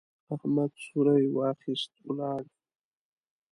احمد څوری واخيست، ولاړ.